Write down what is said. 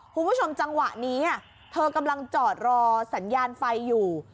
คุณผู้ชมจังหวะนี้เธอกำลังจอดรอสัญญาณไฟอยู่